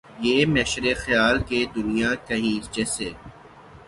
یہ محشرِ خیال کہ دنیا کہیں جسے